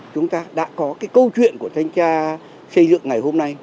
chúng ta đã có cái câu chuyện của thanh tra xây dựng ngày hôm nay